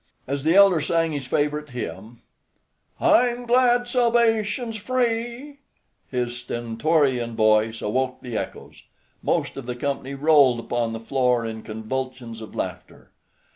As the elder sang his favorite hymn, "I'm glad salvation's free," his stentorian voice awoke the echoes. Most of the company rolled upon the floor in convulsions of laughter.